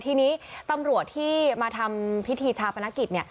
ทีนี้ตำรวจที่มาทำพิธีชาปนกิจ